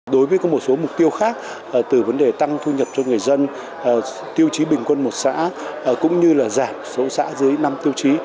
đối với có một số mục tiêu khác từ vấn đề tăng thu nhập cho người dân tiêu chí bình quân một xã cũng như là giảm số xã dưới năm tiêu chí